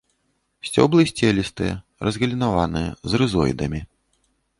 Сцёблы сцелістыя, разгалінаваныя, з рызоідамі.